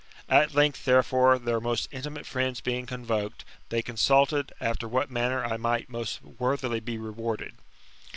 At length, therefore, their most intimate friends being convoked, they consulted after what manner I might most worthily be rewarded.